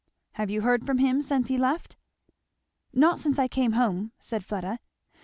"Have you heard from him since he left?" "Not since I came home," said Fleda. "Mr.